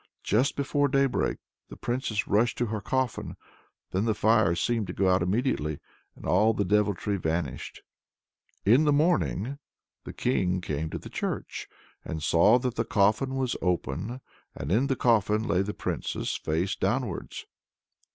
Just before daybreak the Princess rushed to her coffin then the fire seemed to go out immediately, and all the deviltry vanished! In the morning the King came to the church, and saw that the coffin was open, and in the coffin lay the princess, face downwards.